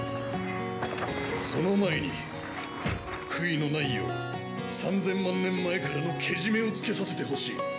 その前に悔いのないよう３，０００万年前からのケジメをつけさせてほしい。